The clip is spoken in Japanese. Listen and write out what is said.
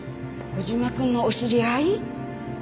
小島くんのお知り合い？